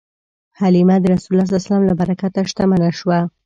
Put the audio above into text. حلیمه د رسول الله ﷺ له برکته شتمنه شوه.